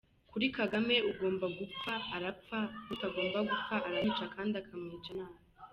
Kuri Kagame ugomba gupfa arapfa, n’utagomba gupfa aramwica kandi akamwica nabi.